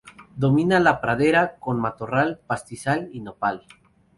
Domina la pradera con matorral, pastizal y nopal.